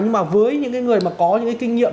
nhưng mà với những người có những kinh nghiệm